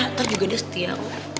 ntar juga dia setia